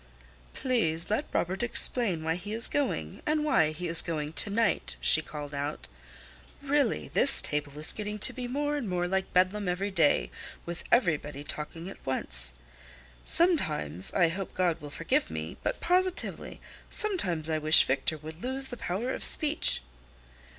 "Please let Robert explain why he is going, and why he is going to night," she called out. "Really, this table is getting to be more and more like Bedlam every day, with everybody talking at once. Sometimes—I hope God will forgive me—but positively, sometimes I wish Victor would lose the power of speech."